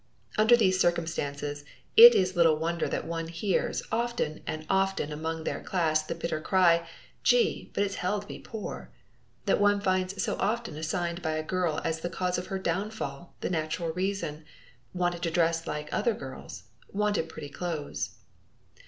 Under these circumstances, it is little wonder that one hears, often and often among their class, the bitter cry, "Gee, but it's hell to be poor!" that one finds so often assigned by a girl as the cause of her downfall, the natural reason "Wanted to dress like other girls" "Wanted pretty clothes."